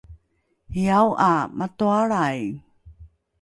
hiao ’a matoalrai